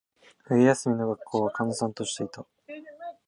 冬休みの学校は、閑散としていた。